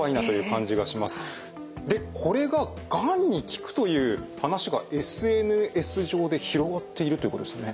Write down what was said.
でこれががんに効くという話がＳＮＳ上で広がっているということですよね？